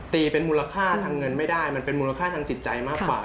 เป็นมูลค่าทางเงินไม่ได้มันเป็นมูลค่าทางจิตใจมากกว่า